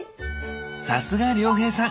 さすが亮平さん！